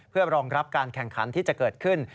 เพื่อรองรับการแข่งขันที่จะเกิดขึ้น